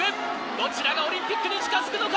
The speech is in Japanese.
どちらがオリンピックに近づくのか？